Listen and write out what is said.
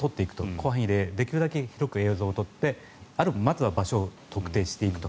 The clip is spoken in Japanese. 広範囲で、できるだけ広く映像を撮ってまずは場所を特定していくと。